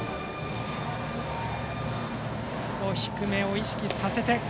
低めを意識させて。